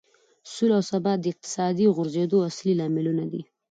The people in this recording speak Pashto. سوله او ثبات د اقتصادي غوړېدو اصلي لاملونه دي.